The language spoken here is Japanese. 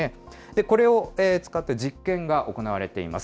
これを使って、実験が行われています。